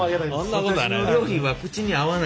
私の料理は口に合わない？